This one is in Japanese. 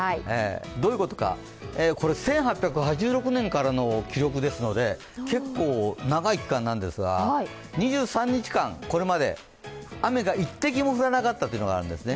どういうことか、これは１８８６年からの記録ですので、結構長い期間なんですが２３日間、これまで雨が一滴も降らなかったというのがあるんですね。